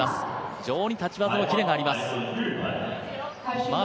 非常に立ち技のキレがあります。